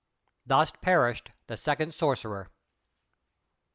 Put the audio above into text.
Thus perished the second sorcerer.